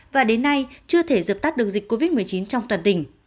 và đến nay chưa thể dập tắt được dịch covid một mươi chín trong toàn tỉnh